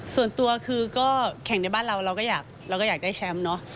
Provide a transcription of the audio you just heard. ส่วนตัวคือก็แข่งในบ้านเราเราก็อยากได้แชมป์เนาะ